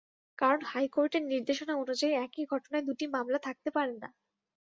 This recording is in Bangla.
কারণ, হাইকোর্টের নির্দেশনা অনুযায়ী একই ঘটনায় দুটি মামলা থাকতে পারে না।